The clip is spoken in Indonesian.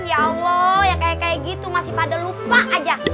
ya allah yang kayak kayak gitu masih pada lupa aja